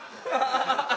ハハハハ！